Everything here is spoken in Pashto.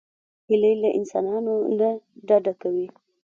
هیلۍ له انسانانو نه ډډه کوي